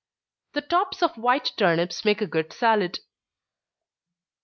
The tops of white turnips make a good salad.